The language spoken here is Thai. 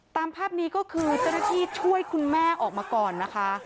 ตามภาพนี้ก็คือเจ้าหน้าที่ช่วยคุณแม่ออกมาก่อนนะคะ